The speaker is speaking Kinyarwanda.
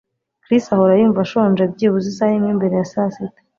Chris ahora yumva ashonje byibuze isaha imwe mbere ya sasita